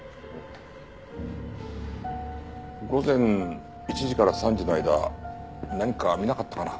午前１時から３時の間何か見なかったかな？